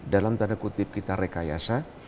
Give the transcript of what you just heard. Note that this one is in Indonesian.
dalam tanda kutip kita rekayasa